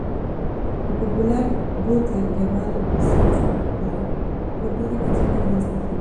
El popular bootleg llamado "Brussels Affair" contiene canciones de esta gira.